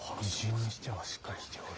異人にしてはしっかりしておる。